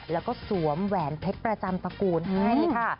แล้วก็สวมแหวนเพชรประจำตระกูลให้ค่ะ